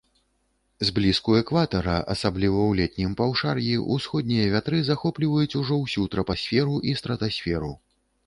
Зблізку экватара, асабліва ў летнім паўшар'і, усходнія вятры захопліваюць ужо ўсю трапасферу і стратасферу.